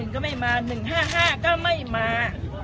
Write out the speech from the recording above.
ก็ไม่มา๑๕๕ก็ไม่มา